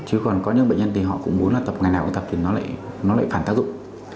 chứ còn có những bệnh nhân thì họ cũng muốn là ngày nào cũng tập thì nó lại phản tác dụng